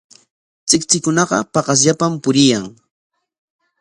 Tsiktsikunaqa paqasllapam puriyan.